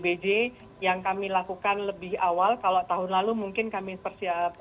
dan juga bbj yang kami lakukan lebih awal kalau tahun lalu mungkin kami persiap